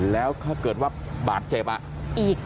แล้วถ้าเกิดว่าบาดเจ็บอ่ะอีก